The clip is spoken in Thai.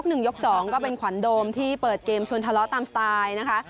หนึ่งยกสองก็เป็นขวัญโดมที่เปิดเกมชวนทะเลาะตามสไตล์นะคะ